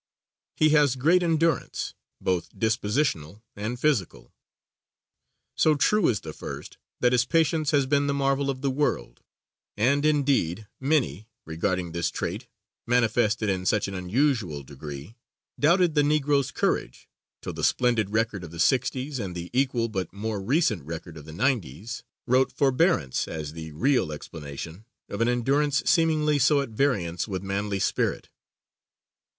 He has great endurance, both dispositional and physical. So true is the first that his patience has been the marvel of the world; and, indeed, many, regarding this trait manifested in such an unusual degree, doubted the Negro's courage, till the splendid record of the '60's and the equal, but more recent, record of the '90's, wrote forbearance as the real explanation of an endurance seemingly so at variance with manly spirit.